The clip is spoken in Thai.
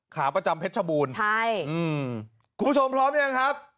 ขาประจำเพชรชบูรณ์ใช่อืมคุณผู้ชมพร้อมยังครับ